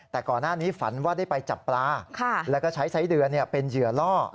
แต่ก่อนหน้านี้ฝันว่าได้ไปจับปลาแล้วก็ใช้ไซส์เดือนเป็นเหยื่อล่อ